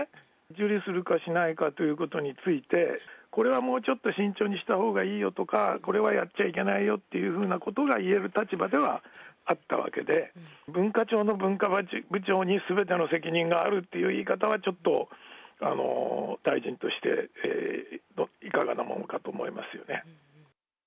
受理するかしないかということについて、これはもうちょっと慎重にしたほうがいいよとか、これはやっちゃいけないよっていうふうなことが言える立場ではあったわけで、文化庁の文化部長にすべての責任があるっていう言い方は、ちょっと大臣として、いかがなもんかと思いますよね。